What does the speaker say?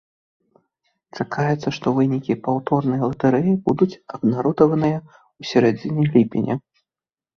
Чакаецца, што вынікі паўторнай латэрэі будуць абнародаваныя ў сярэдзіне ліпеня.